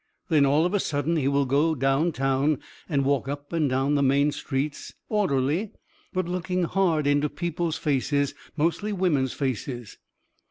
Then all of a sudden he will go down town and walk up and down the main streets, orderly, but looking hard into people's faces, mostly women's faces.